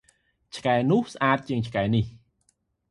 ឆ្កែនោះស្អាតជាងឆ្កែនេះ។